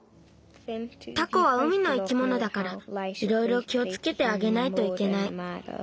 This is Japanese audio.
タコは海の生き物だからいろいろ気をつけてあげないといけない。